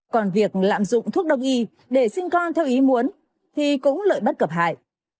còn việc lạm dụng thuốc đông y để sinh con theo ý muốn thì cũng lợi bất cập hại